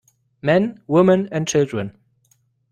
Men, women and children.